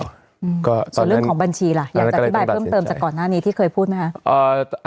ส่วนเรื่องของบัญชีล่ะอยากจะอธิบายเพิ่มเติมจากก่อนหน้านี้ที่เคยพูดไหมคะ